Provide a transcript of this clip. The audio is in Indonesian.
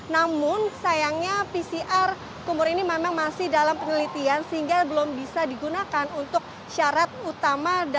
namun sayangnya pcr kumur ini memang masih dalam penelitian sehingga belum bisa digunakan untuk syarat utama